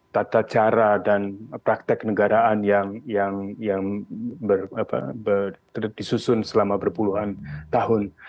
tata cara dan praktek negaraan yang disusun selama berpuluhan tahun